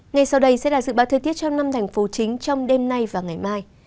ngay sau đây sẽ là dự báo thời tiết trong năm thành phố chính trong đêm nay và ngày mai